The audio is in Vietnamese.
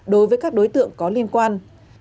đối với các đối tượng có liên quan